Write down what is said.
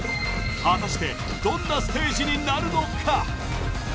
果たしてどんなステージになるのか？